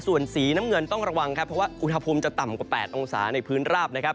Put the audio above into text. ส่วนสีน้ำเงินต้องระวังครับเพราะว่าอุณหภูมิจะต่ำกว่า๘องศาในพื้นราบนะครับ